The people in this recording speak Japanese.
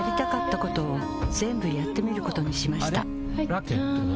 ラケットは？